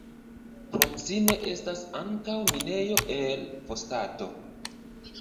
Proksime estas ankaŭ minejo el fosfato.